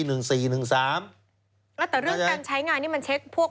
แล้วแต่เรื่องการใช้งานนี่มันเช็คพวก